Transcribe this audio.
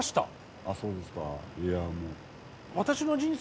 ああそうですか。